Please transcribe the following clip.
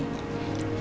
aku mau beli